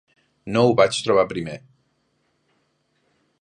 No ho vaig trobar primer.